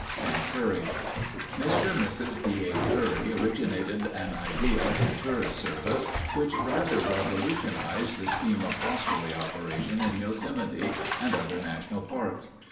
Camp Curry Mr. and Mrs. D. A. Curry originated an idea in tourist service which rather revolutionized the scheme of hostelry operation in Yosemite and other national parks.